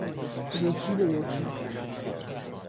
یکی به یکی